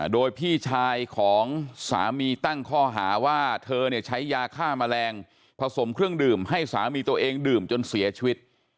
โดยพี่ชายของสามีตั้งข้อหาว่าเธอใช้ยาฆ่าแมลงผสมเครื่องดื่มให้สามีตัวเองดื่มจนเสียชีวิต